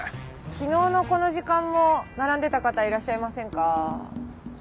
昨日のこの時間も並んでた方いらっしゃいませんか？